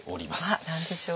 あっ何でしょう？